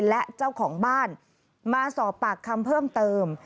และเจ้าของบ้านมาสอบปากคำเพิ่มเติม